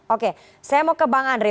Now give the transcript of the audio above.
oke saya mau ke bang andre